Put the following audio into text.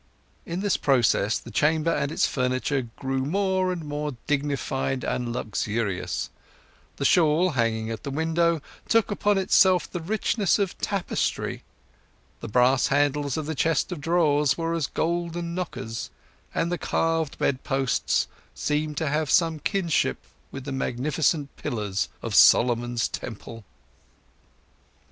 In this process the chamber and its furniture grew more and more dignified and luxurious; the shawl hanging at the window took upon itself the richness of tapestry; the brass handles of the chest of drawers were as golden knockers; and the carved bedposts seemed to have some kinship with the magnificent pillars of Solomon's temple.